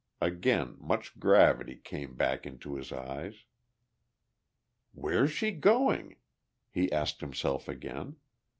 Again much gravity came back into his eyes. "Where's she going?" he asked himself again.